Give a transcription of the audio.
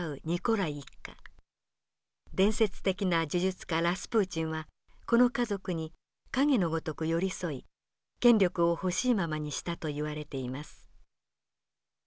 伝説的な呪術家ラスプーチンはこの家族に影のごとく寄り添い権力を欲しいままにしたといわれています。